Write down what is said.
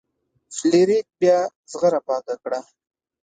فلیریک بیا زغره پاکه کړه.